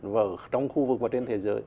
và trong khu vực và trên thế giới